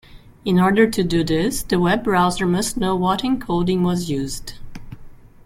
In order to do this, the web browser must know what encoding was used.